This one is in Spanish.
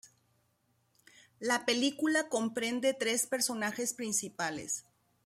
La película comprende tres personajes principales.